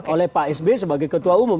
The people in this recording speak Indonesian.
oleh pak sby sebagai ketua umum